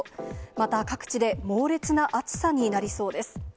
また各地で猛烈な暑さになりそうです。